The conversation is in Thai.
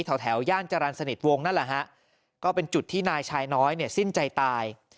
แถวแถวย่านจรรย์สนิทวงนั่นแหละฮะก็เป็นจุดที่นายชายน้อยเนี่ยสิ้นใจตาย